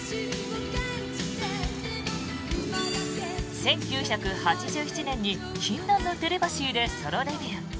１９８７年に「禁断のテレパシー」でソロデビュー。